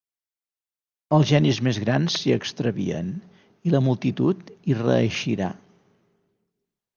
Els genis més grans s'hi extravien, i la multitud hi reeixirà!